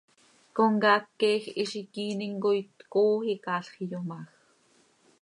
Comcaac queeej hizi quiinim coi tcooo icaalx iyomaaj.